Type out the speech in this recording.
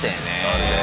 あるね。